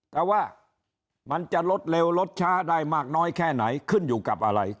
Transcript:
แต่ว่ามันจะลดเร็วลดช้าได้มากน้อยแค่ไหนขึ้นอยู่กับอะไร